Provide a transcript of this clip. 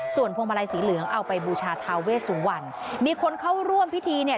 ส่วนพวงมาลัยสีเหลืองเอาไปบูชาทาเวสุวรรณมีคนเข้าร่วมพิธีเนี่ย